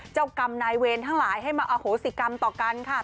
เจ้ากรรมนายเวรทั้งหลายให้มาอโหสิกรรมต่อกันค่ะ